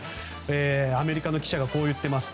アメリカの記者がこう言っています。